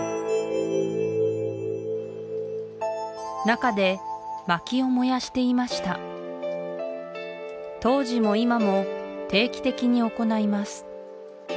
中でまきを燃やしていました当時も今も定期的に行います